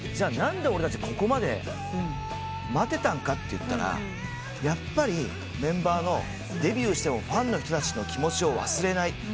何で俺たちここまで待てたんかっていったらやっぱりメンバーのデビューしてもファンの人たちの気持ちを忘れない。